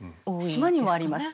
島にもあります。